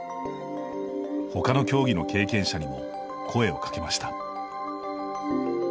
他の競技の経験者にも声をかけました。